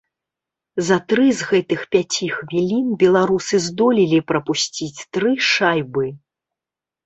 За тры з гэтых пяці хвілін беларусы здолелі прапусціць тры шайбы.